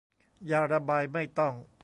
ยาระบายไม่ต้อง